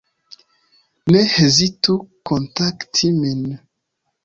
Ne hezitu kontakti min.